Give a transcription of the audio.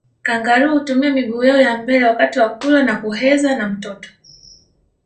Kangaroo hutumia miguu yao ya mbele wakati wa kula na kuheza na mtoto